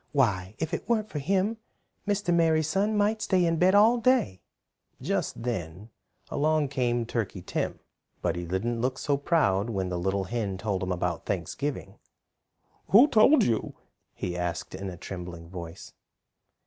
Why, if it weren't for him Mr. Merry Sun might stay in bed all day." Just then along came Turkey Tim, but he didn't look so proud when the little hen told him about Thanksgiving. "Who told you?" he asked in a trembling voice.